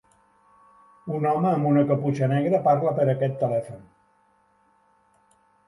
Un home amb una caputxa negra parla per aquest telèfon.